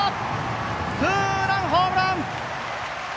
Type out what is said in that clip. ツーランホームラン！